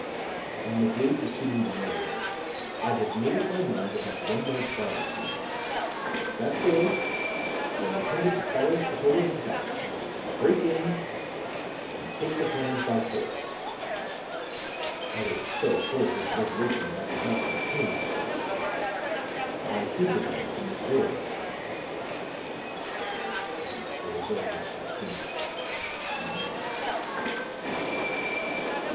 "On the day preceding the murder, I had made up my mind to have one more try with Hume; and if that failed I intended to follow Spatola's advice, break in and take the plans by force. I was so full of this resolution that I could not contain myself; I hinted at it to Miss Vale; and the result of that hint, you know."